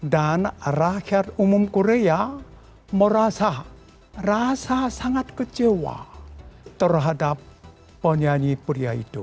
dan rakyat umum korea merasa sangat kecewa terhadap penyanyi pria itu